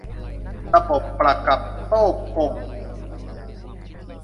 ระบบประกับโต้วก่ง